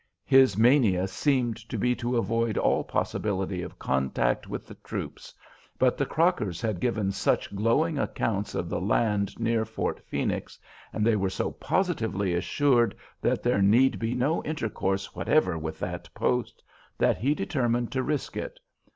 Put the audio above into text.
His mania seemed to be to avoid all possibility of contact with the troops, but the Crockers had given such glowing accounts of the land near Fort Phoenix, and they were so positively assured that there need be no intercourse whatever with that post, that he determined to risk it.